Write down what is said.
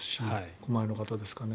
狛江の方ですかね。